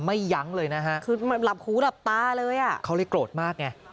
ไม่ยั้้มเลยนะคือระบคูด์เราตายค่ะเขาเลยกรโกรธมาก